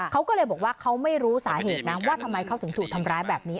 เขาก็เลยบอกว่าเขาไม่รู้สาเหตุนะว่าทำไมเขาถึงถูกทำร้ายแบบนี้